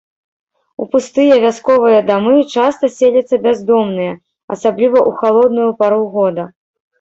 У пустыя вясковыя дамы часта селяцца бяздомныя, асабліва ў халодную пару года.